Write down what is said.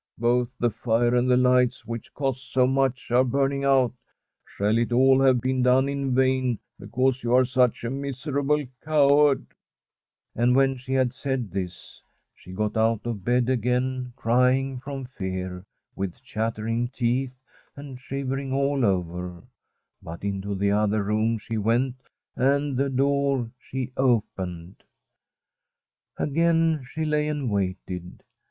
' Both the fire and the lights, which cost so much, are burning out. Shall it all have been done in vain because you are such a mis erable coward ?* And when she had said this she got out of bed again, crying from fear, with chattering teeth, and shivering all over; but into the other room she went, and the door she opened. [2271 From a SITEDISH HOMESTEAD Again she lay and waited.